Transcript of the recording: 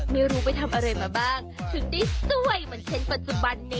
ไม่รู้ไปทำอะไรมาบ้างถึงได้สวยเหมือนเช่นปัจจุบันนี้